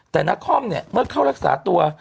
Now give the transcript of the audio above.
แต่นครเนี่ยเมื่อเข้ารักษาตัว